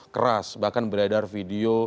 keras bahkan beredar video